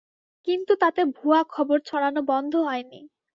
কিন্তু তাতে ভুয়া খবর ছড়ানো বন্ধ হয়নি।